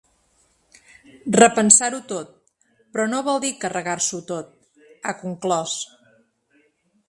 “Repensar-ho tot, però no vol dir carregar-s’ho tot”, ha conclòs.